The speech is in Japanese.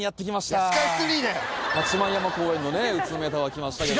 八幡山公園の宇都宮タワー来ましたけど。